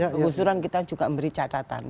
penggusuran kita juga memberi catatan